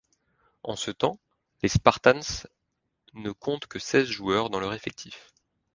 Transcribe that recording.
En ce temps, les Spartans ne comptent que seize joueurs dans leur effectif.